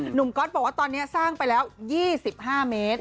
ก๊อตบอกว่าตอนนี้สร้างไปแล้ว๒๕เมตร